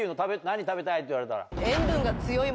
何食べたい？って言われたら。